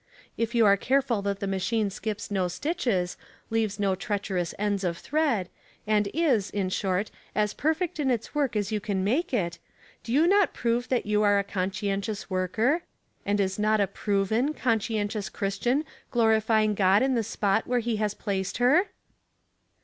*' If you are careful that the macliine skips no stitches, leaves no treacherous ends of thread, and is, in short, as perfect in i4:s work as you can make it, do you not prove that you are a conscientious worker, and is not a proven^ con scientious Christian glorifying God in the spot where he has placed her